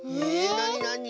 なになに？